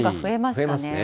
増えますね。